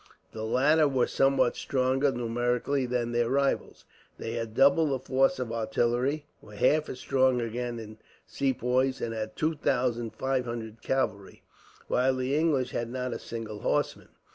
The latter were somewhat stronger, numerically, than their rivals. They had double the force of artillery, were half as strong again in Sepoys, and had two thousand five hundred cavalry, while the English had not a single horseman.